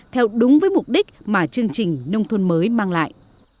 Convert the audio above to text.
theo đúng với mục đích mà chương trình nông thôn mới mang lại